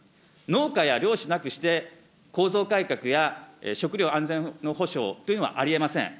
農家や漁師なくして、構造改革や、食料安全の保障というのはありえません。